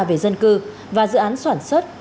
về dân cư và dự án soản xuất